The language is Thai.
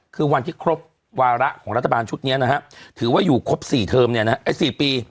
คือวันที่ครบวาระของรัฐบาลชุดนี้นะฮะถือว่าอยู่ครบ๔ปี